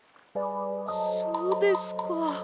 そうですか。